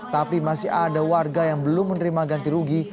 tapi masih ada warga yang belum menerima ganti rugi